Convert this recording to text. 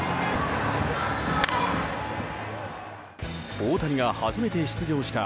大谷が初めて出場した